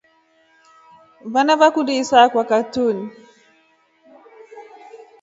Vana veekundi isaakwa katuni.